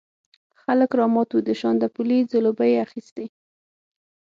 خلک رامات وو، د شانداپولي ځلوبۍ یې اخيستې.